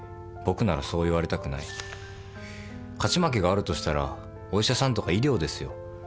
僕ならそう言われたくない」「勝ち負けがあるとしたらお医者さんとか医療ですよ」